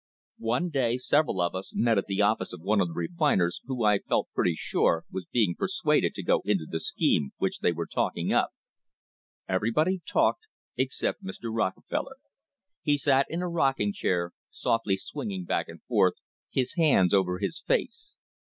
"One day several of us met at the office of one of the refiners, who, I felt pretty sure, was being persuaded to go into the scheme which they were talking up. Everybody talked except Mr. Rockefeller. He sat in a rocking chair, softly swinging back and forth, his hands over his face.